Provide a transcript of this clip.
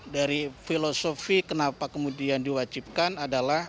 dari filosofi kenapa kemudian diwajibkan adalah